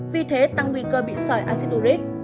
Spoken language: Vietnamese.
vì thế tăng nguy cơ bị sỏi acid uric